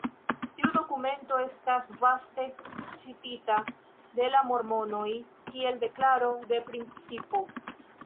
Tiu dokumento estas vaste citita de la mormonoj kiel deklaro de principo.